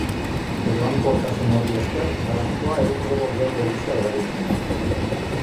Eroankortasun horri esker, grafitoa elektrodo geldo gisa erabiltzen da.